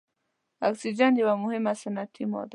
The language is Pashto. اکسیجن یوه مهمه صنعتي ماده ده.